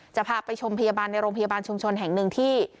จะพาไปชมพยาบาลในโรงพยาบาลชุมชนแห่งหนึ่งที่